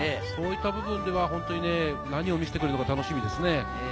そういった部分では本当に何を見せてくれるのか楽しみですね。